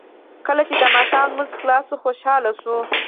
کله چې د ماښام لمونځ خلاص شو خوشاله شو.